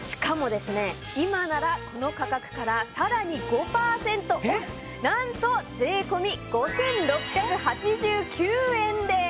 今ならこの価格からさらに５％オフ何と税込み５，６８９円です！